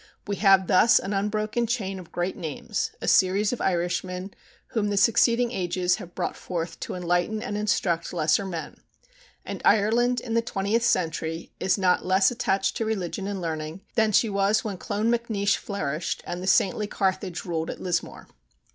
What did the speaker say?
We have thus an unbroken chain of great names, a series of Irishmen whom the succeeding ages have brought forth to enlighten and instruct lesser men; and Ireland, in the twentieth century, is not less attached to religion and learning than she was when Clonmacnois flourished and the saintly Carthage ruled at Lismore.